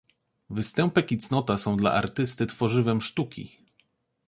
Występek i cnota są dla artysty tworzywem sztuki.